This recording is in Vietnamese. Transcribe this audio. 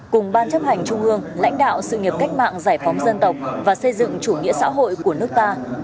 cùng ban chấp hành trung ương lãnh đạo sự nghiệp cách mạng giải phóng dân tộc và xây dựng chủ nghĩa xã hội của nước ta